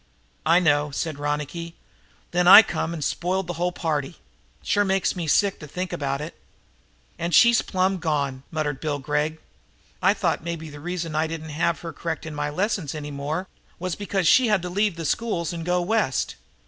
"I know," said Ronicky. "Then I come and spoiled the whole party. Sure makes me sick to think about it." "And now she's plumb gone," muttered Bill Gregg. "I thought maybe the reason I didn't have her correcting my lessons any more was because she'd had to leave the schools and go West.